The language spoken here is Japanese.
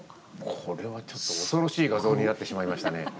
これはちょっと恐ろしい画像になってしまいましたね。